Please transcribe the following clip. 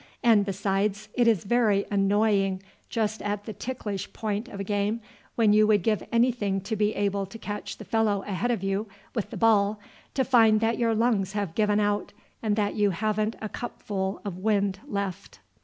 And besides, it is very annoying just at the ticklish point of a game, when you would give anything to be able to catch the fellow ahead of you with the ball, to find that your lungs have given out, and that you haven't a cupful of wind left."